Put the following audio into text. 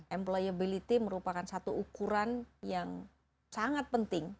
employability merupakan satu ukuran yang sangat penting